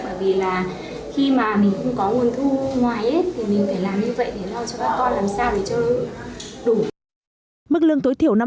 bởi vì là khi mà mình không có nguồn thu ngoài